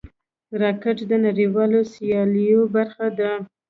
راکټ د نړیوالو سیالیو برخه ده